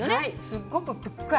すごくふっくら。